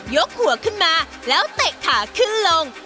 กหัวขึ้นมาแล้วเตะขาขึ้นลง